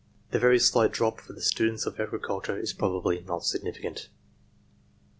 The very slight drop for the students of agriculture probably is not significant.